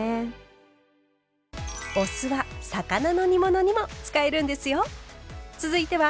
お酢は魚の煮物にも使えるんですよ。